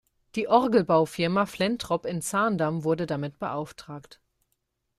Die Orgelbaufirma Flentrop in Zaandam wurde damit beauftragt.